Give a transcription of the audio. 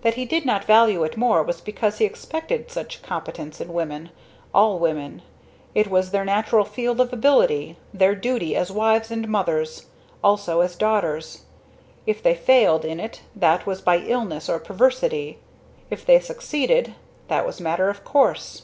That he did not value it more was because he expected such competence in women, all women; it was their natural field of ability, their duty as wives and mothers. Also as daughters. If they failed in it that was by illness or perversity. If they succeeded that was a matter of course.